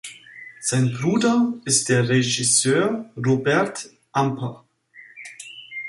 Sein Bruder ist der Regisseur Robert Amper.